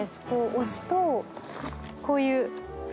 押すとこういうふうに。